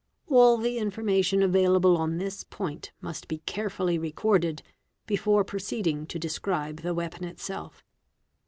All the information available — on this point must be carefully recorded before proceeding to describe the weapon itself.